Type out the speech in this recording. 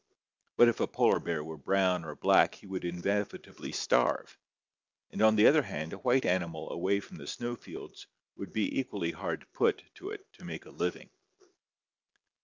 But if a polar bear were brown or black he would inevitably starve, and on the other hand, a white animal away from the snow fields would be equally hard put to it to make a living.